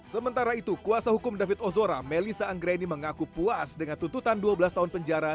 sementara itu kuasa hukum david ozora melisa anggreni mengaku puas dengan tuntutan dua belas tahun penjara